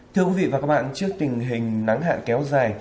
thưa quý vị và các bạn trước tình hình nắng hạn kéo dài